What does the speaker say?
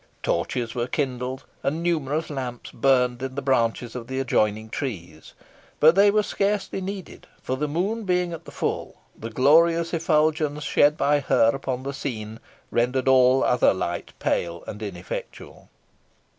Torches were kindled, and numerous lamps burned in the branches of the adjoining trees; but they were scarcely needed, for the moon being at the full, the glorious effulgence shed by her upon the scene rendered all other light pale and ineffectual.